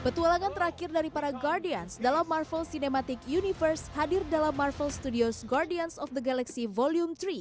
petualangan terakhir dari para guardians dalam marvel cinematic universe hadir dalam marvel studios ⁇ guardians of the galaxy volume tiga